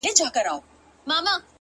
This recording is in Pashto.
اوس لا د گرانښت څو ټكي پـاتــه دي’